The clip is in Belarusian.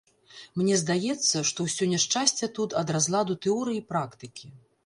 Мне здаецца, што ўсё няшчасце тут ад разладу тэорыі і практыкі.